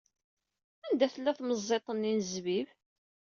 Anda tella temẓiḍt-nni n zzbib?